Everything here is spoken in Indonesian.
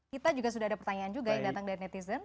kita juga sudah ada pertanyaan juga yang datang dari netizen